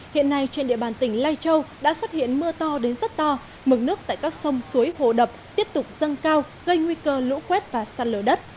hiện nay trên địa bàn tỉnh lai châu đã xuất hiện mưa to đến rất to mực nước tại các sông suối hồ đập tiếp tục dâng cao gây nguy cơ lũ quét và sạt lở đất